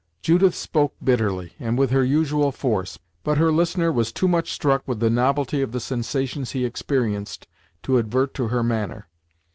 Judith spoke bitterly, and with her usual force, but her listener was too much struck with the novelty of the sensations he experienced to advert to her manner.